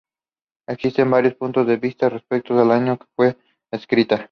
Existen varios puntos de vista respecto al año en que fue escrita.